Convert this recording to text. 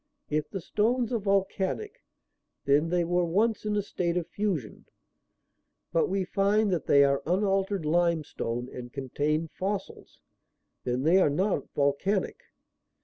If the stones are volcanic, then they were once in a state of fusion. But we find that they are unaltered limestone and contain fossils. Then they are not volcanic.